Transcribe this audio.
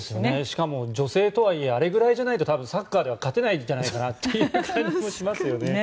しかも女性とはいえあれぐらいじゃないと勝てないんじゃないかなという感じもしますよね。